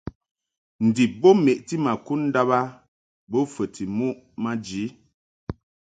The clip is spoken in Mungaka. Ndib bo meʼti ma kud ndàb a bo fəti muʼ maji.